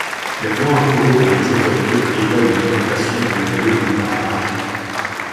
Le plan approuvé par les autorités prévoit une augmentation du volume du barrage.